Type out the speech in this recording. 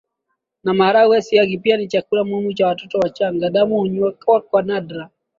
na maharagwe Siagi pia ni chakula muhimu cha watoto wachanga Damu hunywewa kwa nadra